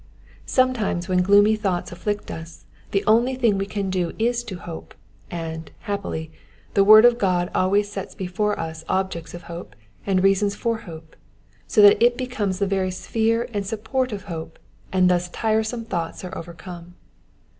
Sometimes when gloomy thoughts afilict us, the only thing we can do is to hope, and, happily, the word of God always sets before us objects of hope and reasons for hope, so that it becomes the very sphere and support of hope, and thus tiresome thoughts are overcome.